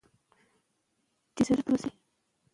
د ابدالیانو او غلجیانو ترمنځ دوستانه جرګه جوړه شوه.